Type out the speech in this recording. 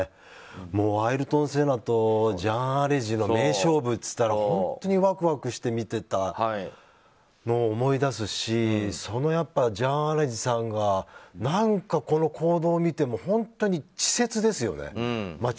もう、アイルトン・セナとジャン・アレジの名勝負といったら本当にワクワクして見ていたのを思い出すしそのジャン・アレジさんが何か、この行動を見ても本当に稚拙ですよね。